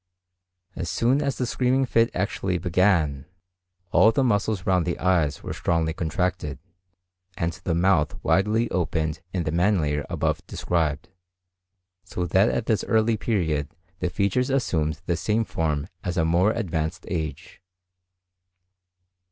As soon as the screaming fit actually began, all the muscles round the eyes were strongly contracted, and the mouth widely opened in the manner above described; so that at this early period the features assumed the same form as at a more advanced age.